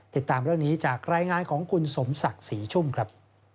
ติดตามเรื่องนี้จากรายงานของคุณสมศักดิ์ศรีชุ่มครับ